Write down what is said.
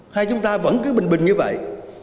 hay chúng ta vẫn cứ bình bình như vậy